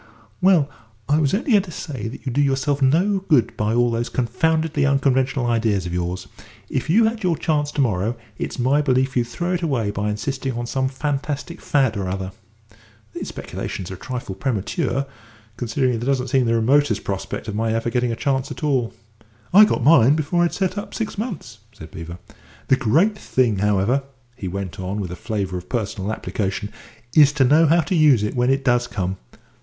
"Well, I was only going to say that you do yourself no good by all those confoundedly unconventional ideas of yours. If you had your chance to morrow, it's my belief you'd throw it away by insisting on some fantastic fad or other." "These speculations are a trifle premature, considering that there doesn't seem the remotest prospect of my ever getting a chance at all." "I got mine before I'd set up six months," said Beevor. "The great thing, however," he went on, with a flavour of personal application, "is to know how to use it when it does come.